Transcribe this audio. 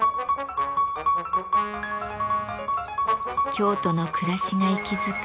京都の暮らしが息づく